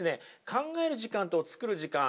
考える時間と作る時間